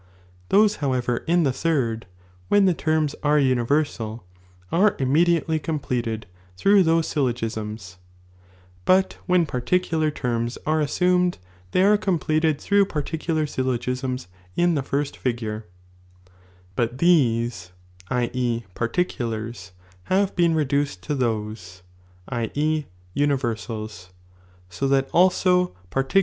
Those, however, in the J third, when the terms tire universal, are immediately completed m throogh those syllogismfl;"' but when particular ,." (tETTna) are assumed (they are completed) through yamis or itis paniciilar syllogisms in the first figure : but these \ f "' '^Situ have been reduced to those.f so that also particu i""..